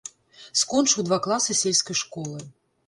Скончыў два класы сельскай школы.